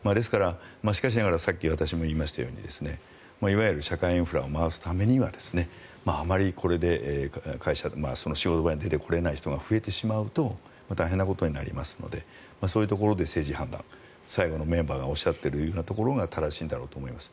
しかしながらさっき私も言いましたようにいわゆる社会インフラを回すためにあまりこれで職場に出てこれない人が増えてくると大変なことになりますのでそういうところで政治判断、最後のメンバーがおっしゃっているようなところが正しいんだろうと思います。